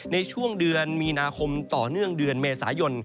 ในช่วงเดือนมีนาคมต่อเนื่องเดือนเมษายน